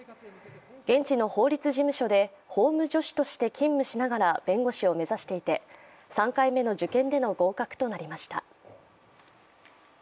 現地の法律事務所で法務助手として勤務しながら弁護士を目指していて３回目の受験での合格となりました。